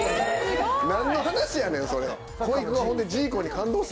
何の話やねんそれ。